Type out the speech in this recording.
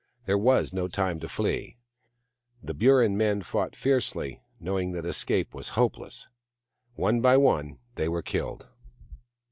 There was no time to flee : the Burrin men fought fiercely, knowing that escape was hopeless. One by one, they were killed.